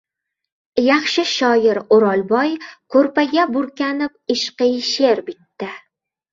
Yaxshi shoir O‘rolboy ko‘rpaga burkanib, ishqiy she’r bitdi.